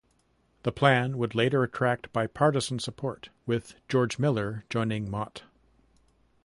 The plan would later attract bipartisan support, with George Miller joining Mott.